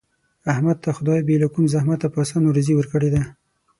احمد ته خدای بې له کوم زحمته په اسانه روزي ورکړې ده.